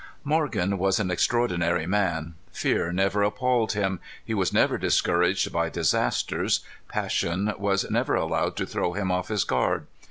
Morgan was an extraordinary man. Fear never appalled him. He was never discouraged by disasters. Passion was never allowed to throw him off his guard.